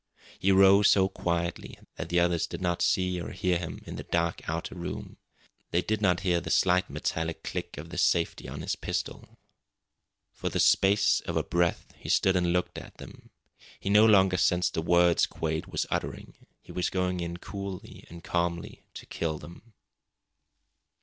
He rose so quietly that the others did not see or hear him in the dark outer room. They did not hear the slight metallic click of the safety on his pistol. For the space of a breath he stood and looked at them. He no longer sensed the words Quade was uttering. He was going in coolly and calmly to kill them.